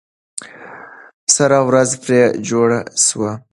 سره ورځ پرې جوړه سوه.